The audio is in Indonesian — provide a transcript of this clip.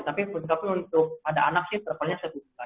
tapi untuk ada anak sih intervalnya satu bulan